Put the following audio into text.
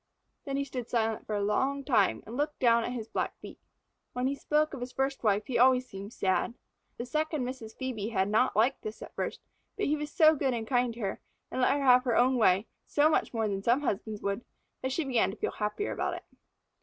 Then he stood silent for a long time and looked down at his black feet. When he spoke of his first wife he always seemed sad. The second Mrs. Phœbe had not liked this at first, but he was so good and kind to her, and let her have her own way so much more than some husbands would, that she had begun to feel happier about it.